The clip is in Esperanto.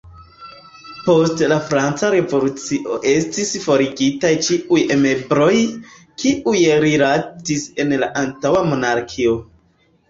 Post la Franca Revolucio estis forigitaj ĉiuj emblemoj, kiuj rilatis al la antaŭa monarkio.